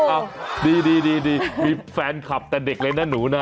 อ้าวดีมีแฟนคลับแต่เด็กเลยนะหนูนะ